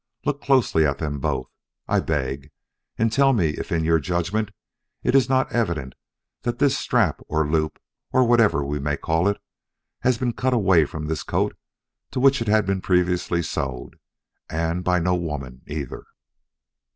Look closely at them both, I beg, and tell me if in your judgment it is not evident that this strap or loop, or whatever we may call it, has been cut away from this coat to which it had been previously sewed and by no woman either."